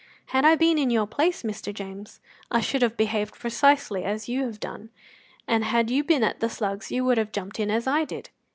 Had I been in your place, Mr. James, I should have behaved precisely as you have done, and had you been at the Slugs you would have jumped in as I did.